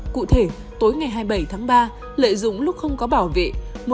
cụ thể tối ngày hai mươi bảy tháng ba lợi dụng lúc không có bảo vệ